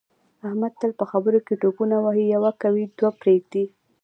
احمد تل په خبروکې ټوپونه وهي یوه کوي دوې پرېږدي.